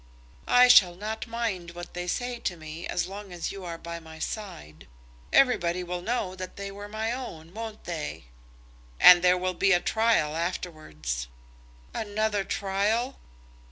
"I shall not mind what they say to me as long as you are by my side. Everybody will know that they were my own, won't they?" "And there will be the trial afterwards." "Another trial?"